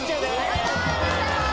やったありがとうございます。